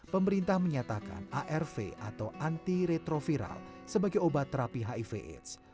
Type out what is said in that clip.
pemerintah menyatakan arv atau anti retroviral sebagai obat terapi hiv aids